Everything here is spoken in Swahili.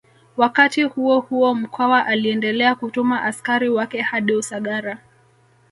Wakati huohuo Mkwawa aliendelea kutuma askari wake hadi Usagara